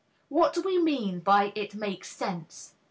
What do we mean by "it makes sense"?